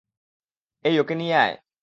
এই, ওকে নিয়ে আয়।